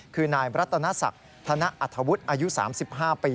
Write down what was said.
คือนายบรัตนสักธนาอัธวุธอายุ๓๕ปี